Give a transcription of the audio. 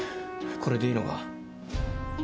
これでいいのか？